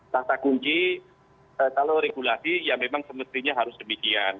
tata kunci kalau regulasi ya memang semestinya harus demikian